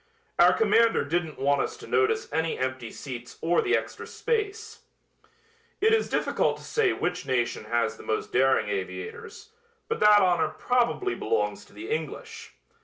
Our commander didn't want us to notice any empty seats or the extra space." It is difficult to say which nation has the most daring aviators, but that honor probably belongs to the English.